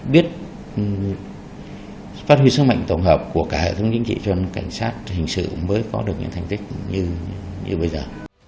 biết phát huy sức mạnh tổng hợp của cả hệ thống chính trị cho nên cảnh sát hình sự mới có được những thành tích như bây giờ